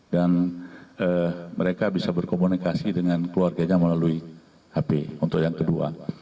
mereka bisa berkomunikasi dengan keluarganya melalui hp untuk yang kedua